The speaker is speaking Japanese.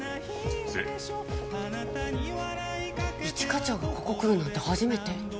一課長がここ来るなんて初めて。